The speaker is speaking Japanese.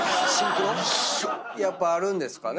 やっぱあるんですかね。